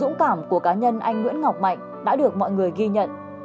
dũng cảm của cá nhân anh nguyễn ngọc mạnh đã được mọi người ghi nhận